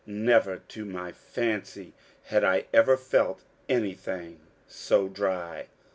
Never to my fancy had I ever felt anything so dry.